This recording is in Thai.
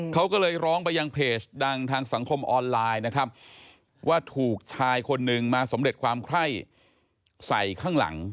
เขาก็เลยร้องไปยังเพจดังทางสังคมออนไลน์นะครับว่าถูกชายคนนึงมาสำเร็จความไข้ใส่ข้างหลัง